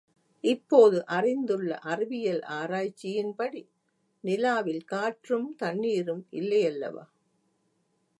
இப்போது அறிந்துள்ள அறிவியல் ஆராய்ச்சியின்படி, நிலாவில் காற்றும் தண்ணிரும் இல்லையல்லவா?